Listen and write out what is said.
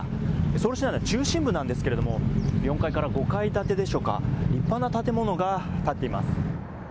ソウル市内の中心部なんですけれども、４階から５階建てでしょうか、立派な建物が建っています。